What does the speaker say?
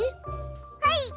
はい！